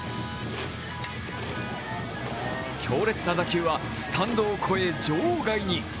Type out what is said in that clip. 強烈な打球はスタンドを越え場外に。